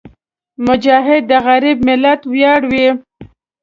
مجاهد د غریب ملت ویاړ وي.